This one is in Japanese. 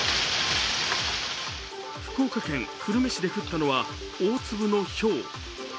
福岡県久留米市で降ったのは大粒のひょう。